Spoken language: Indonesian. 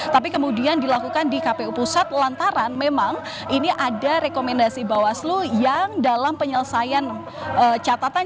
tapi kemudian dilakukan di kpu pusat lantaran memang ini ada rekomendasi bawaslu yang dalam penyelesaian catatan